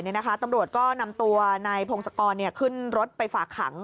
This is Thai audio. ตอนบ่ายตำรวจก็นำตัวในพงศกรขึ้นรถไปฝากขัง